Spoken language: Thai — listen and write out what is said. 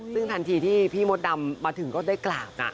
ซึ่งทันทีที่พี่มดดำมาถึงก็ได้กราบ